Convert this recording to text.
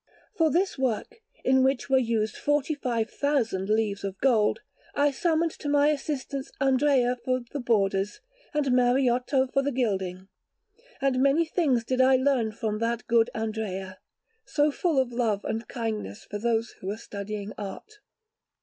For this work, in which were used forty five thousand leaves of gold, I summoned to my assistance Andrea for the borders and Mariotto for the gilding; and many things did I learn from that good Andrea, so full of love and kindness for those who were studying art.